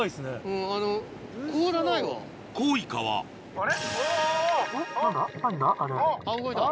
あれ。